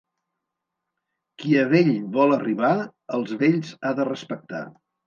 Qui a vell vol arribar, els vells ha de respectar.